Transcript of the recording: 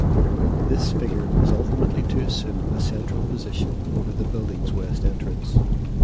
This figure was ultimately to assume a central position, over the building's west entrance.